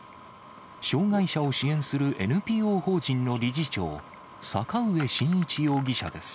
障がい者を支援するＮＰＯ法人の理事長、坂上慎一容疑者です。